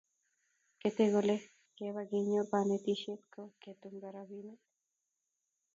Ketei kole keba kenyor konetisiet ko ketumda robinik